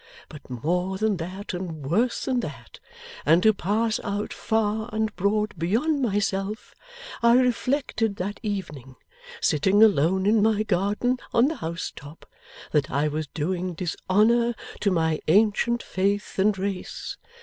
But more than that, and worse than that, and to pass out far and broad beyond myself I reflected that evening, sitting alone in my garden on the housetop, that I was doing dishonour to my ancient faith and race.